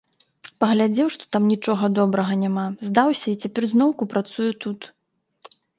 Паглядзеў, што там нічога добрага няма, здаўся і цяпер зноўку працуе тут.